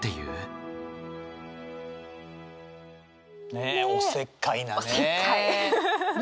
ねっおせっかいなね。